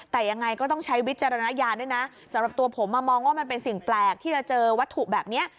แต่ยังไงก็ต้องใช้วิจารณญาณด้วยนะสำหรับตัวผมมองว่ามันเป็นสิ่งแปลกที่จะเจอวัตถุแบบนี้